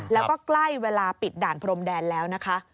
แล้วก็ใกล้เวลาปิดด่านพรมแดนแล้วนะคะ